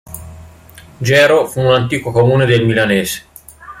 Gero fu un antico comune del Milanese.